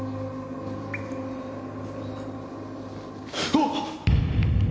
あっ！